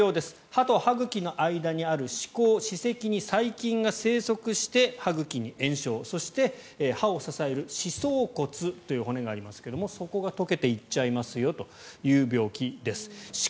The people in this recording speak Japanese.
歯と歯茎の間にある歯垢や歯石の間に細菌が生息して歯茎に炎症そして歯を支える歯槽骨という骨がありますがそこが溶けていっちゃいますよという病気です。